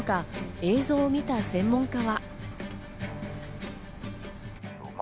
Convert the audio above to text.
映像を見た専門家は。